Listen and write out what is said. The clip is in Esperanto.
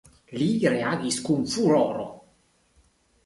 Li reagis kun furoro.